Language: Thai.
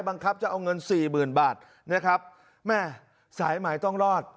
บังคับจะเอาเงินสี่หมื่นบาทนะครับแม่สายหมายต้องรอด